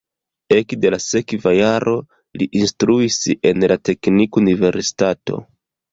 Ekde la sekva jaro li instruis en la teknikuniversitato.